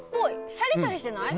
シャリシャリしてない？